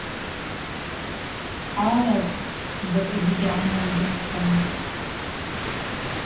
Аладз закӏгьи гьгӏанаргылхуам.